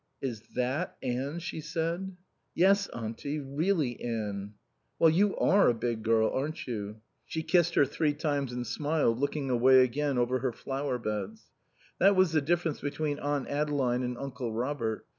"Is that Anne?" she said. "Yes, Auntie, really Anne." "Well, you are a big girl, aren't you?" She kissed her three times and smiled, looking away again over her flower beds. That was the difference between Aunt Adeline and Uncle Robert.